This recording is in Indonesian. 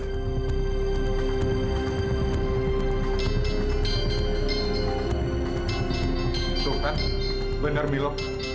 betul pak benar milo